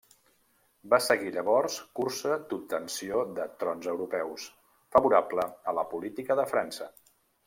Va seguir llavors cursa d'obtenció de trons europeus, favorable a la política de França.